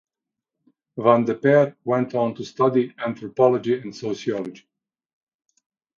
Van de Perre went on to study anthropology and sociology.